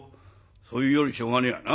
そう言うよりしょうがねえやな。